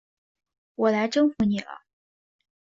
我来征服你了！